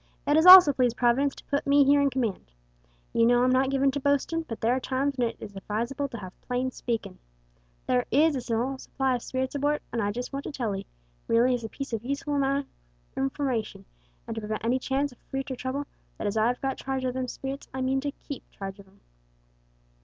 It has also pleased Providence to putt me here in command. You know I'm not given to boastin', but there are times when it is advisable to have plain speakin'. There is a small supply of spirits aboard, and I just want to tell 'ee merely as a piece of useful information, and to prevent any chance o' future trouble that as I've got charge o' them spirits I mean to keep charge of 'em."